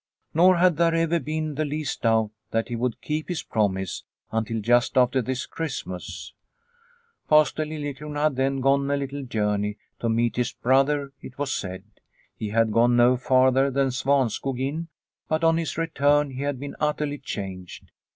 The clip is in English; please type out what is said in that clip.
Nor had there ever been the least doubt that he would keep his promise until just after this Christmas. Pastor Liliecrona had then gone a little journey, to meet his brother, it was said. He had gone no farther than Svanskog inn, but on his return he had been utterly changed.